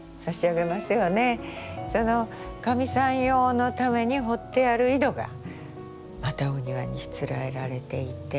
その神さん用のために掘ってある井戸がまたお庭にしつらえられていて。